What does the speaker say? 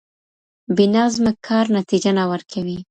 بې نظمه کار نتيجه نه ورکوي.